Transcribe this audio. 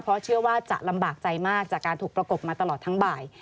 เพราะเชื่อว่าจะลำบากใจมากจากการถูกประกบมาตลอดทั้งบ่าย